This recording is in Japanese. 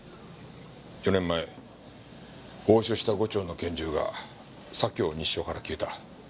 ４年前押収した５丁の拳銃が左京西署から消えた。